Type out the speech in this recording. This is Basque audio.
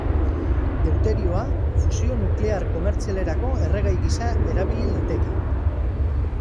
Deuterioa fusio nuklear komertzialerako erregai gisa erabili liteke.